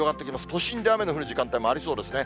都心で雨の降る時間帯もありそうですね。